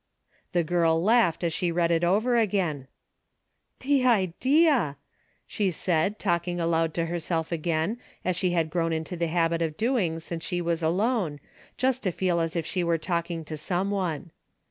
The' girl laughed as she read it over again. 22 A DAILY EATEA' " The idea !" she said, talking aloud to herself again as she had grown into the habit of do ing since she was alone, just to feel as if she were talking to some one.